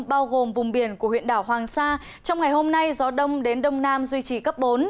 bao gồm vùng biển của huyện đảo hoàng sa trong ngày hôm nay gió đông đến đông nam duy trì cấp bốn